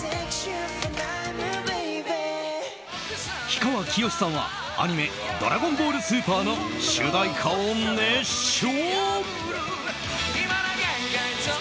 氷川きよしさんはアニメ「ドラゴンボール超」の主題歌を熱唱。